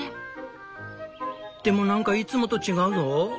でもなんかいつもと違うぞ。